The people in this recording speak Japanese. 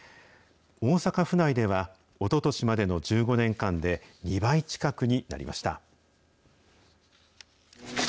大阪府内では、おととしまでの１５年間で、２倍近くになりました。